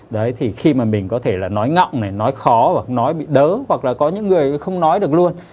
đấy thì khi mà mình có thể là nói ngọng này nói khó hoặc nói bị đớ hoặc là có những người không nói được luôn